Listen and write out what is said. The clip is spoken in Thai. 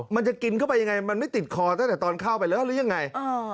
มันจะกินเข้าไปยังไงมันไม่ติดคอตั้งแต่ตอนเข้าไปแล้วหรือยังไง